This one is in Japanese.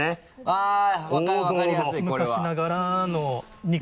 はい。